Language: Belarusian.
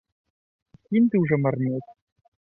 Кінь ты ўжо марнець!